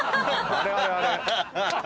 あれあれあれっ？